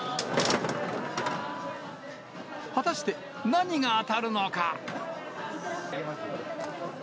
果たして何が当たるのか。